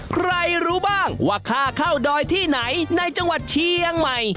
รู้บ้างว่าค่าเข้าดอยที่ไหนในจังหวัดเชียงใหม่